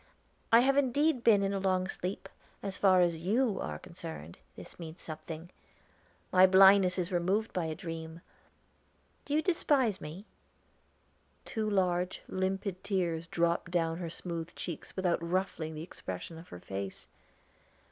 "I have indeed been in a long sleep, as far you are concerned; this means something. My blindness is removed by a dream. Do you despise me?" Two large, limpid tears dropped down her smooth cheeks without ruffling the expression of her face.